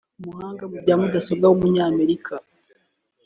umuhanga mu bya mudasobwa w’umunyamerika